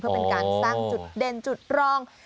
เพื่อเป็นการสร้างจุดเด่นจุดรอง